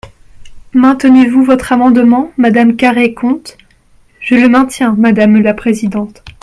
Maintenez-vous votre amendement, madame Carrey-Conte ? Je le maintiens, madame la présidente.